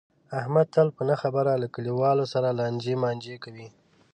احمد تل په نه خبره له کلیواو سره لانجې مانجې کوي.